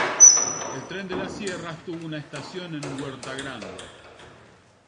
El Tren de las Sierras tuvo una estación en Huerta Grande.